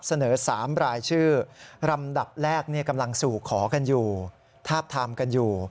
เสนอ๓รายชื่อลำดับแรกกำลังสู่ขอกันอยู่ทาบทามกันอยู่